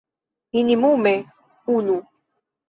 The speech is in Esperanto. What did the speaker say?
Minimume unu.